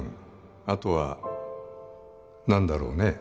あとは何だろうね